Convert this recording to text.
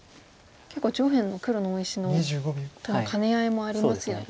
結構上辺の黒の大石との兼ね合いもありますよね。